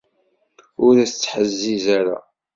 Ur as-ttḥezziz ara.